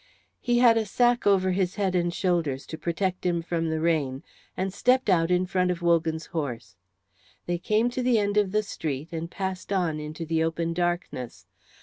He had a sack over his head and shoulders to protect him from the rain, and stepped out in front of Wogan's horse. They came to the end of the street and passed on into the open darkness.